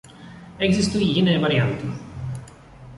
Existují jiné varianty.